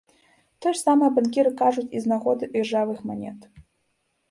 Тое ж самае банкіры кажуць і з нагоды іржавых манет.